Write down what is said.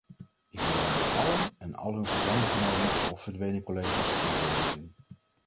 Ik wil hen allen en al hun gevangengenomen of verdwenen collega's eer bewijzen.